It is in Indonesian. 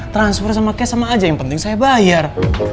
transfer sama cash sama aja yang penting saya bayar